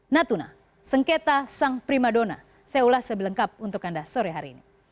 natuna sengketa sang primadona saya ulas sebelengkap untuk anda sore hari ini